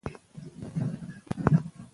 هغه د بارکزیو د ټبر ملاتړ ترلاسه کړ.